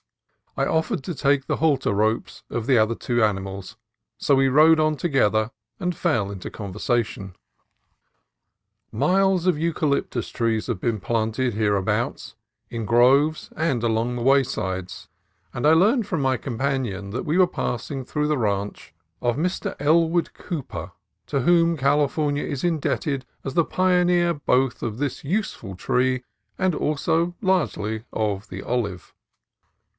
I offered to take the halter ropes ARBOREAL STRANGERS 89 of the other two animals, so we rode on together and fell into conversation. Miles of eucalyptus trees have been planted here abouts, in groves and along the roadsides, and I learned from my companion that we were passing through the ranch of Mr. El wood Cooper, to whom California is indebted as the pioneer both of this useful tree and also largely of the olive.